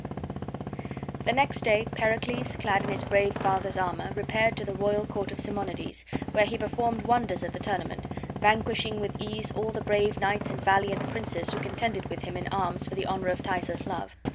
The next day Pericles, clad in his brave father's armor, repaired to the royal court of Simonides, where he performed wonders at the tournament, vanquishing with ease all the brave knights and valiant princes who contended with him in arms for the honor of Thaisa's love.